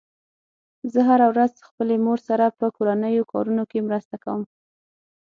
زه هره ورځ خپلې مور سره په کورنیو کارونو کې مرسته کوم